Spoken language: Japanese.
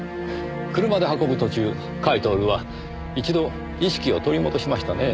車で運ぶ途中甲斐享は一度意識を取り戻しましたねぇ。